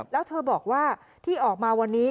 แล้วเธอบอกว่าที่ออกมาวันนี้